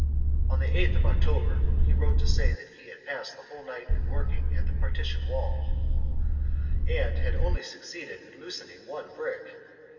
On the 8th of October he wrote to say that he had passed the whole night in working at the partition wall, and had only succeeded in loosening one brick.